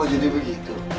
oh jadi begitu